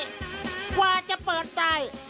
ปุ้มอยู่ไหนสงสัยต้องมุดงานนี้